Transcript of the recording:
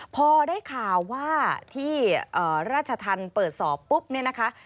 พอได้ข่าวว่าที่ราชธรรมเปิดสอบปุ๊บเนี่ยนะคะ